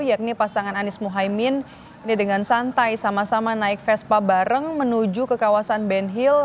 yakni pasangan anies muhaymin ini dengan santai sama sama naik vespa bareng menuju ke kawasan ben hill